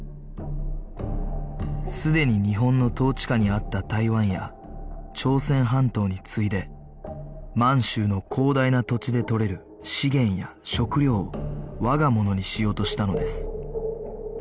すでに日本の統治下にあった台湾や朝鮮半島に次いで満州の広大な土地でとれる資源や食糧を我がものにしようとしたのです